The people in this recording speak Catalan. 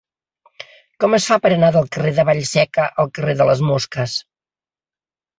Com es fa per anar del carrer de Vallseca al carrer de les Mosques?